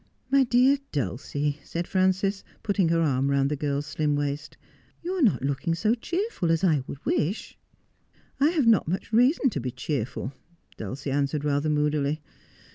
' My dear Dulcie,' said Frances, putting her arm round the girl's slim waist, ' you are not looking so cheerful as I should wish.' ' I have not much reason to be cheerful,' Dulcie answered rather moodily.